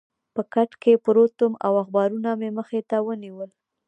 په کټ کې پروت وم او اخبارونه مې مخې ته ونیول.